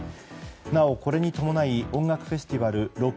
なお、これに伴い音楽フェスティバル